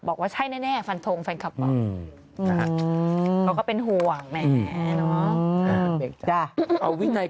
โอเคเดี๋ยวกลับมาช่วงหน้ามูนาย